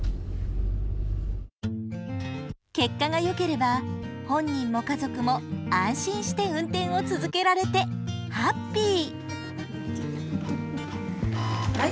結果がよければ本人も家族も安心して運転を続けられてハッピー！